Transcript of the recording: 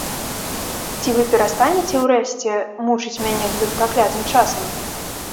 Ці вы перастанеце ўрэшце мучыць мяне гэтым праклятым часам?